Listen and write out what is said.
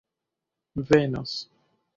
venos